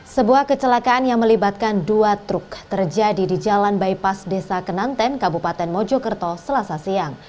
sebuah kecelakaan yang melibatkan dua truk terjadi di jalan bypass desa kenanten kabupaten mojokerto selasa siang